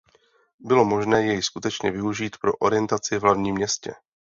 Bylo možné jej skutečně využít pro orientaci v hlavním městě.